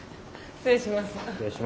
失礼します。